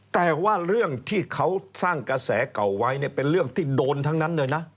แต่ว่าเรื่องที่เขาสร้างกระแสเก่าไว้เนี่ยเป็นเรื่องที่โดนทั้งนั้นเลยนะ